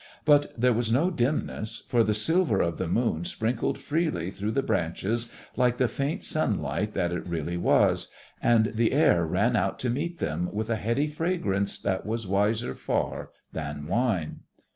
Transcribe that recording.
But there was no dimness, for the silver of the moon sprinkled freely through the branches like the faint sunlight that it really was, and the air ran out to meet them with a heady fragrance that was wiser far than wine.